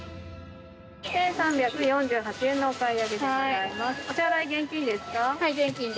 １３４８円のお買い上げです。